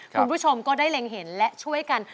คุณผู้ชมก็ได้เล็งเห็นและช่วยกัน